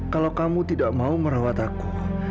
kalau kamu tidak mau merawat aku